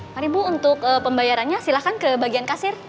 mari bu untuk pembayarannya silahkan ke bagian kasir